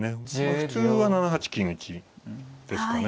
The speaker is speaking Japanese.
普通は７八金打ちですかね。